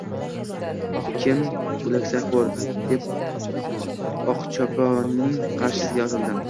– Kim o‘laksaxo‘r?! – deb Oqchoponning qarshisiga otildim